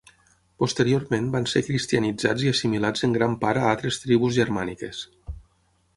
Posteriorment van ser cristianitzats i assimilats en gran part a altres tribus germàniques.